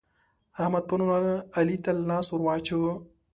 احمد پرون علي ته لاس ور واچاوو.